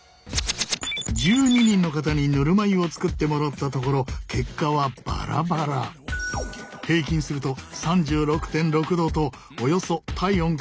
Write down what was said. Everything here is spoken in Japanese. １２人の方にぬるま湯を作ってもらったところ結果はバラバラ。平均すると３６．６℃とおよそ体温くらいの温度になった。